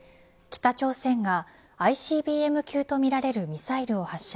北朝鮮がＩＣＢＭ級とみられるミサイルを発射。